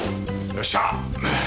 よっしゃあ！